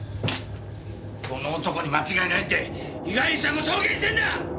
この男に間違いないって被害者も証言してんだ！